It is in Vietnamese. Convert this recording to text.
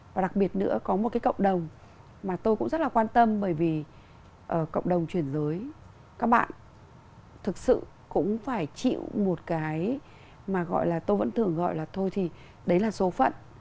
và đặc biệt nữa có một cái cộng đồng mà tôi cũng rất là quan tâm bởi vì cộng đồng truyền giới các bạn thực sự cũng phải chịu một cái mà gọi là tôi vẫn thường gọi là thôi thì đấy là số phận